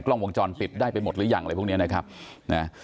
กล้องวงจรปิดได้ไปหมดหรือยังอะไรพวกนี้ของทั้งหมด